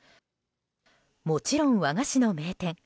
もちろん、和菓子の名店。